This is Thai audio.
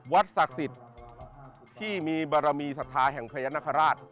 ศักดิ์สิทธิ์ที่มีบารมีศรัทธาแห่งพญานาคาราช